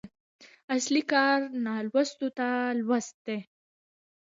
اصلي کار نالوستو ته لوست دی.